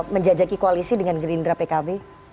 menjajaki koalisi dengan gerindra pkb